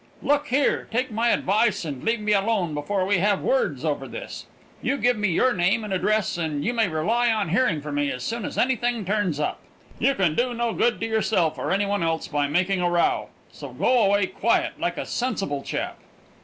Look here, take my advice, and leave me alone before we have words over this. You give me your name and address, and you may rely on hearing from me as soon as anything turns up. You can do no good to yourself or any one else by making a row; so go away quiet like a sensible chap!"